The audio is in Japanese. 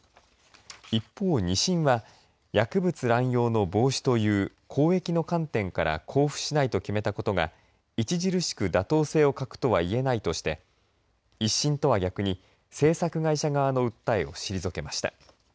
一方、２審は薬物乱用の防止という公益の観点から交付しないと決めたことが著しく妥当性を欠くとは言えないとして１審とは逆に制作会社側の訴えを退けました。